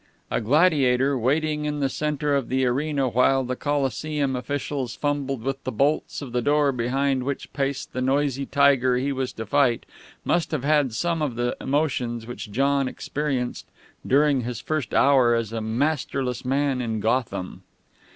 A gladiator, waiting in the center of the arena while the Colosseum officials fumbled with the bolts of the door behind which paced the noisy tiger he was to fight, must have had some of the emotions which John experienced during his first hour as a masterless man in Gotham.